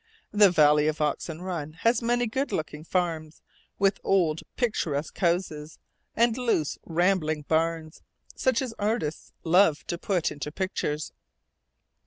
The valley of Oxen Run has many good looking farms, with old picturesque houses, and loose rambling barns, such as artists love to put into pictures.